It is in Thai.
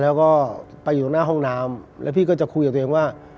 แล้วก็ไปอยู่หน้าห้องน้ำแล้วพี่ก็จะคุยกับตัวเองว่า